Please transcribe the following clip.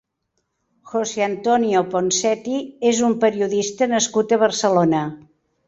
José Antonio Ponseti és un periodista nascut a Barcelona.